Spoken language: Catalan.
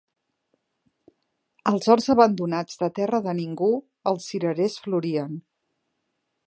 Als horts abandonats de terra de ningú els cirerers florien